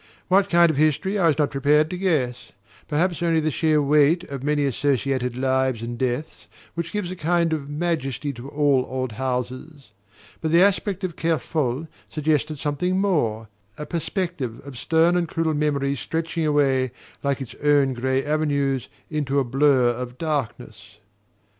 What kind of history I was not prepared to guess: perhaps only the sheer weight of many associated lives and deaths which gives a kind of majesty to all old houses. But the aspect of Kerfol suggested something more a perspective of stern and cruel memories stretching away, like its own grey avenues, into a blur of darkness.